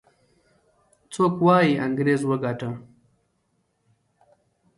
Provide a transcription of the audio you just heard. څوک وايي انګريز وګاټه.